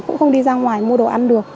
cũng không đi ra ngoài mua đồ ăn được